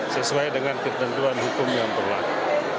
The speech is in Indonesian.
sesuai dengan ketentuan hukum yang berlaku